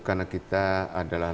karena kita adalah